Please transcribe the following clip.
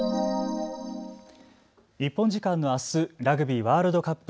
日本時間のあす、ラグビーワールドカップ